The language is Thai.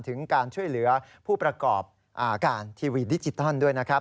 ถึงการช่วยเหลือผู้ประกอบการทีวีดิจิตอลด้วยนะครับ